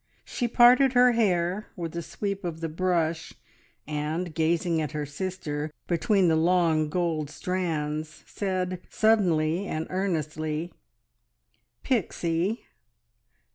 She parted her hair with a sweep of the brush, and gazing at her sister between the long gold strands said suddenly, and earnestly, "Pixie!"